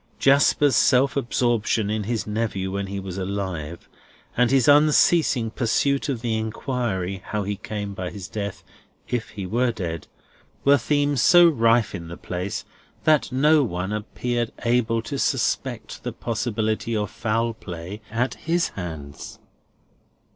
Jasper's self absorption in his nephew when he was alive, and his unceasing pursuit of the inquiry how he came by his death, if he were dead, were themes so rife in the place, that no one appeared able to suspect the possibility of foul play at his hands.